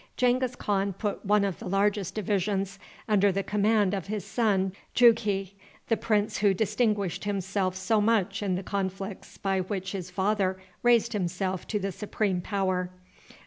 Genghis Khan put one of the largest divisions under the command of his son Jughi, the prince who distinguished himself so much in the conflicts by which his father raised himself to the supreme power.